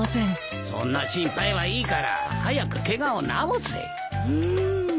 そんな心配はいいから早くケガを治せ。